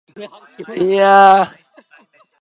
Amblin Entertainment also helped produce it.